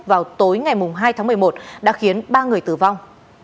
vào tối ngày hai tháng một mươi một đã khiến ba người tử vong